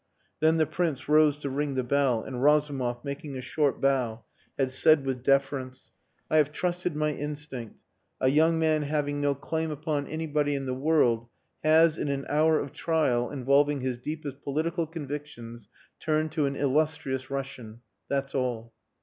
Then the Prince rose to ring the bell, and Razumov, making a short bow, had said with deference "I have trusted my instinct. A young man having no claim upon anybody in the world has in an hour of trial involving his deepest political convictions turned to an illustrious Russian that's all."